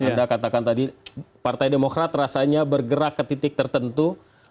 anda katakan tadi partai demokrat rasanya bergerak ke titik tertentu